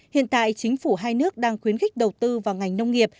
hiện tại chính phủ hai nước đang khuyến khích đầu tư vào ngành nông nghiệp